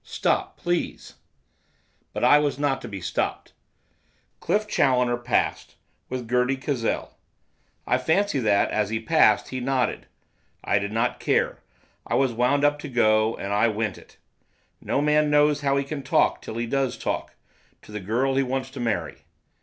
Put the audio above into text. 'Stop, please!' But I was not to be stopped. Cliff Challoner passed, with Gerty Cazell. I fancy that, as he passed, he nodded. I did not care. I was wound up to go, and I went it. No man knows how he can talk till he does talk, to the girl he wants to marry.